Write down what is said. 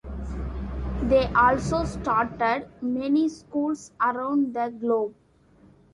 They also started many schools around the globe.